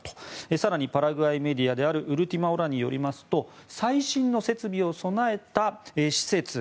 更に、パラグアイメディアであるウルティマオラによりますと最新の設備を備えた施設。